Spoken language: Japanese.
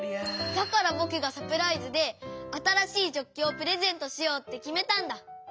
だからぼくがサプライズであたらしいジョッキをプレゼントしようってきめたんだ！